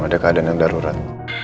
ada keadaan yang darurat